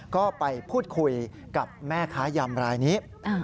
ก็ไปพูดคุยกับแม่ค้ายำรายนี้